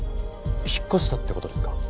引っ越したって事ですか？